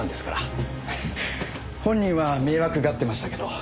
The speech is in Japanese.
本人は迷惑がってましたけど。